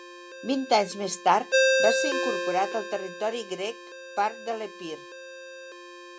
Vint anys més tard, va ser incorporat al territori grec part de l'Epir.